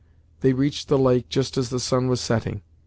They reached the lake just as the sun was setting.